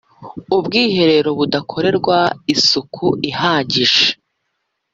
ubwiherero budakorerwa isuku ihagije